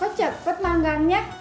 kok cepet langgangnya